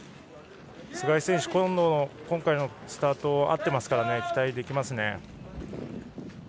須貝選手は今回のスタート合っていますからね期待できますね。